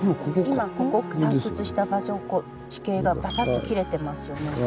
今ここ採掘した場所地形がバサッと切れてますよね。